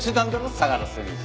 相良先生。